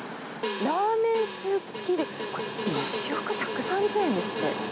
ラーメンスープ付きで、１食１３０円ですって。